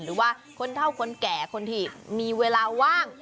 หรือว่าคนเท่าคนแก่คนที่มีเวลาว่าง